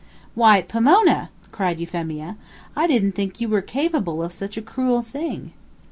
"Why, Pomona!" cried Euphemia, "I didn't think you were capable of such a cruel thing."